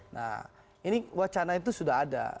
nah ini wacana itu sudah ada